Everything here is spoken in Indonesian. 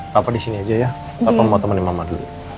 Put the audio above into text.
papa di sini aja ya papa mau temenin mama dulu